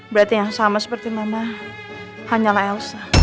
berarti yang sama seperti mama hanyalah elsa